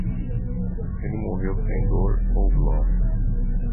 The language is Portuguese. Ele morreu sem dor ou glória.